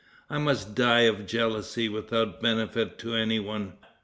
I might die of jealousy without benefit to any one.